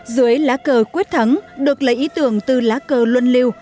dưới lá cờ quyết thắng được lấy ý tưởng từ lá cờ luân liêu